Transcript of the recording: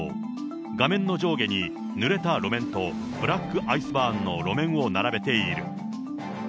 画面の上下にぬれた路面とブラックアイスバーンの路面を並べている。